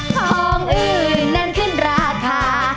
ทองอื่นนั้นขึ้นราคา